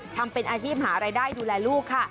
ทำเป็นอาชีพหารายได้ดูแลลูกค่ะ